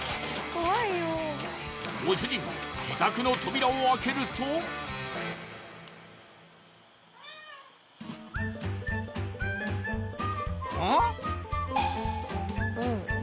ご主人自宅の扉を開けるとうん？